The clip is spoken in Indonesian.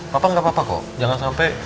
papa gak apa apa kok jangan sampe